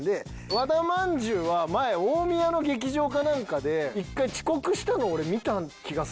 和田まんじゅうは前大宮の劇場かなんかで１回遅刻したの俺見た気がすんねん。